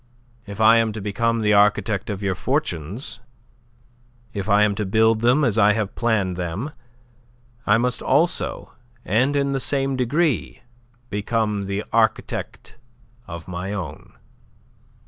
If I am to become the architect of your fortunes, if I am to build them as I have planned them, I must also and in the same degree become the architect of my own."